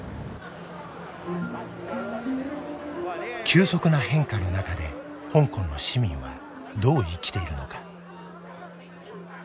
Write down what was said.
急速な変化の中で香港の市民はどう生きているのか。